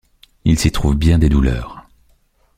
Il s’y trouve bien des douleurs.